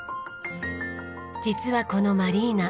実はこのマリーナ